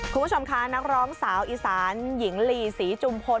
คุณผู้ชมคะนักร้องสาวอีสานหญิงลีศรีจุมพล